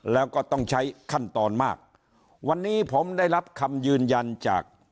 แล้วก็ต้องใช้ขั้นตอนมากวันนี้ผมได้รับคำยืนยันจาก